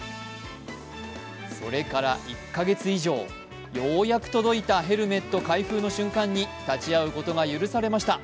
それから１か月以上、ようやく届いたヘルメット開封の瞬間に立ち会うことが許されました。